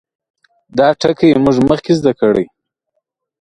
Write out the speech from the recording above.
دا ټګي موږ مخکې زده کړې.